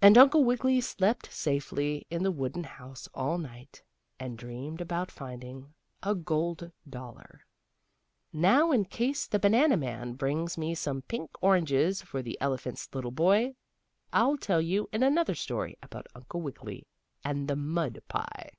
And Uncle Wiggily slept safely in the wooden house all night, and dreamed about finding a gold dollar. Now in case the banana man brings me some pink oranges for the elephant's little boy, I'll tell you in another story about Uncle Wiggily and the mud pie.